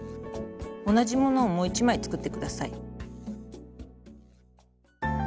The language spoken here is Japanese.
同じものをもう一枚作って下さい。